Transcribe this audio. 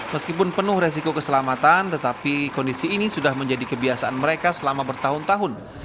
meskipun penuh resiko keselamatan tetapi kondisi ini sudah menjadi kebiasaan mereka selama bertahun tahun